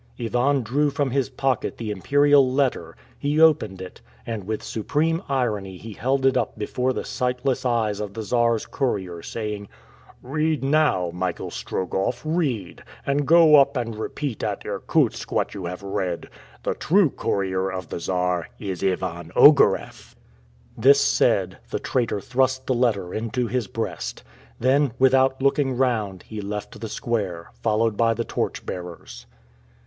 Ivan drew from his pocket the Imperial letter, he opened it, and with supreme irony he held it up before the sightless eyes of the Czar's courier, saying, "Read, now, Michael Strogoff, read, and go and repeat at Irkutsk what you have read. The true Courier of the Czar is Ivan Ogareff." This said, the traitor thrust the letter into his breast. Then, without looking round he left the square, followed by the torch bearers.